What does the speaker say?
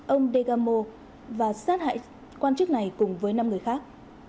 ông degamo và sát hại quan chức này cùng với năm người khác